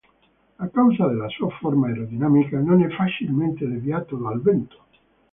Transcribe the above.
A causa della sua forma aerodinamica non è facilmente deviato dal vento.